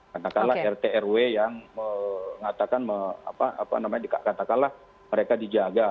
katakanlah rt rw yang mengatakan apa namanya dikatakanlah mereka dijaga